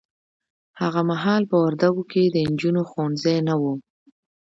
هغه محال په وردګو کې د نجونو ښونځي نه وه